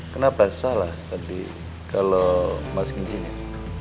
kenapa salah tadi kalau mas ginting